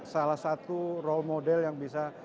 salah satu role model yang bisa